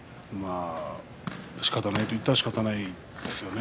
しかたがないと言ったらしかたがないですよね。